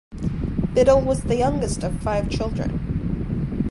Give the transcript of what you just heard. Biddle was the youngest of five children.